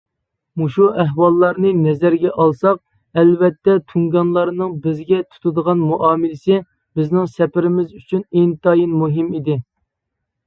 مۇشۇ ئەھۋاللارنى نەزەرگە ئالساق، ئەلۋەتتە تۇڭگانلارنىڭ بىزگە تۇتىدىغان مۇئامىلىسى بىزنىڭ سەپىرىمىز ئۈچۈن ئىنتايىن مۇھىم ئىدى.